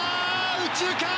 右中間！